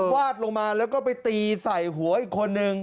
วาดลงมาแล้วก็ไปตีใส่หัวอีกคนนึง